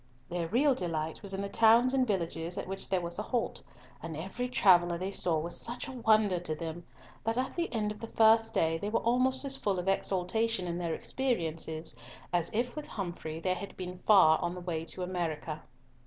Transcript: Their real delight was in the towns and villages at which there was a halt, and every traveller they saw was such a wonder to them, that at the end of the first day they were almost as full of exultation in their experiences, as if, with Humfrey, they had been far on the way to America.